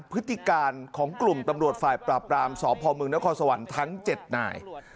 พฤติการของกลุ่มตำรวจฝ่ายปราบรามสพมนครสวรรค์ทั้ง๗นาย